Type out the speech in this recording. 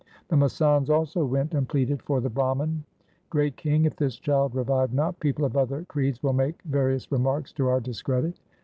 The masands also went and pleaded for the Brahman —' Great king, if this child revive not, people of other creeds will make various remarks to our discredit.'